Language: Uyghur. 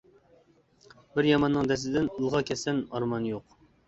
بىر ياماننىڭ دەستىدىن ئىلغا كەتسەم ئارمان يوق.